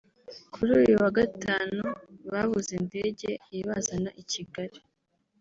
kuri uyu wa Gatanu babuze indege ibazana i Kigali